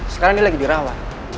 sekarang dia lagi dirawat